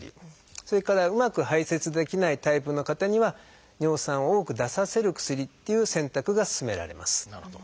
それからうまく排せつできないタイプの方には尿酸を多く出させる薬っていう選択が勧められます。